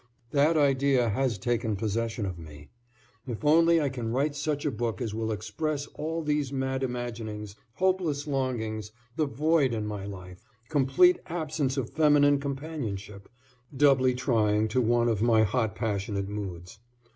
That idea has taken possession of me. If only I can write such a book as will express all these mad imaginings, hopeless longings, the void in my life, complete absence of feminine companionship, doubly trying to one of my hot passionate moods.